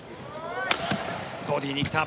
ボディーに来た。